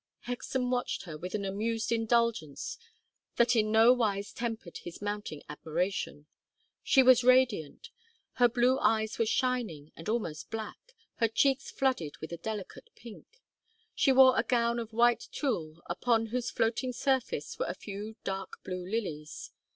Hexam watched her with an amused indulgence that in no wise tempered his mounting admiration. She was radiant. Her blue eyes were shining and almost black, her cheeks flooded with a delicate pink. She wore a gown of white tulle upon whose floating surface were a few dark blue lilies.